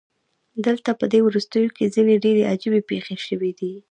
دلته پدې وروستیو کې ځینې ډیرې عجیبې پیښې شوې دي